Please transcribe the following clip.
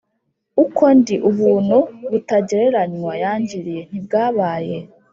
uko ndi Ubuntu butagereranywa yangiriye ntibwabaye